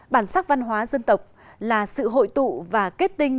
bản sắc văn hóa dân tộc là sự hội tụ và kết tinh